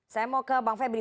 saya mau ke bang febri